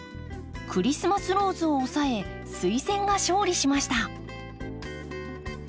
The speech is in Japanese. クリスマスローズを押さえスイセンが勝利しました。